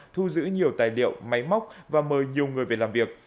thu giữ nhiều tài liệu máy móc và mời nhiều người về làm việc